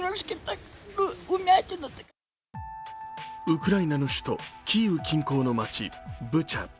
ウクライナの首都キーウ近郊の街、ブチャ。